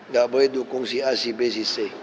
gak boleh dukung si a si b si c